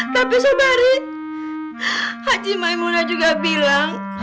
tapi sobari haji maimuna juga bilang